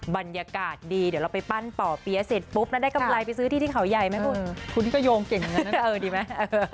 บรรยากาศดีเดี๋ยวเราไปปั้นป่อเปี๊ยะเสร็จปุ๊บแล้วได้กำไรไปซื้อที่ที่เขาใหญ่ไหมคุณคุณก็โยงเก่งอย่างนั้นนะเออดีไหม